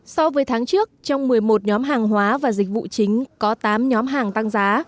so với tháng trước trong một mươi một nhóm hàng hóa và dịch vụ chính có tám nhóm hàng tăng giá